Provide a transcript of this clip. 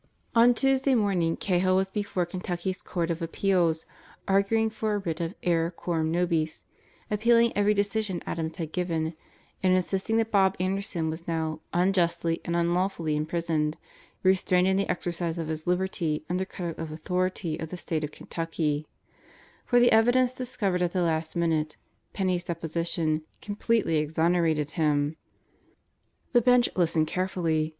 On Tuesday morning Cahill was before Kentucky's Court of Appeals arguing for a writ of error coram nobis, appealing every decision Adams had given, and insisting that Bob Anderson was now "unjustly and unlawfully imprisoned, restrained in the exercise of his liberty under color of authority of the State of Kentucky"; for the evidence discovered at the last minute Penney's deposition completely exonerated him. The Bench listened carefully.